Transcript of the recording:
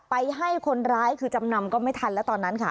ให้คนร้ายคือจำนำก็ไม่ทันแล้วตอนนั้นค่ะ